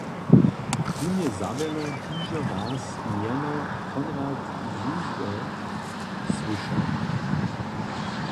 Tón je zawěrno hižo raz mjeno Konrad Zuse słyšał.